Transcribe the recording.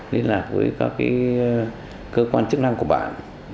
liên lạc với các cơ quan chức năng của bạn